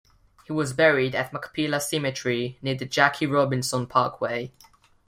He was buried at Machpelah Cemetery near the Jackie Robinson Parkway.